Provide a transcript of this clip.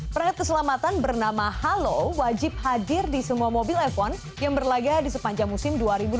perangkat keselamatan bernama halo wajib hadir di semua mobil f satu yang berlaga di sepanjang musim dua ribu dua puluh